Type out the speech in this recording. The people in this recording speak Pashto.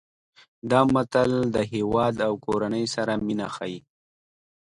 دا متل د هیواد او کورنۍ سره مینه ښيي